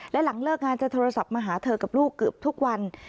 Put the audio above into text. และหลังเลิกงานจะโทรศัพท์มาหาเธอกับลูกเกือบทุกวัน